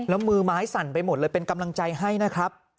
แล้วมือไม้สั่นไปหมดเลยเป็นกำลังใจให้นะครับ